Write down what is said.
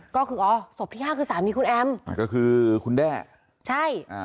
ก็คืออ๋อศพที่ห้าคือสามีคุณแอมอ่าก็คือคุณแด้ใช่อ่า